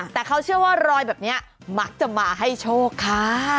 แต่เขาเชื่อว่ารอยแบบนี้มักจะมาให้โชคค่ะ